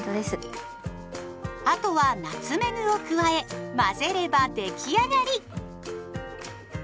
あとはナツメグを加え混ぜれば出来上がり。